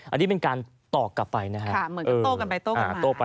อันนี้เป็นต่อกลับไปนะคะ